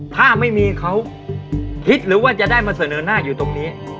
ถ้าไม่มีเขาคิดหรือว่าจะได้มาเสนอหน้าอยู่ตรงนี้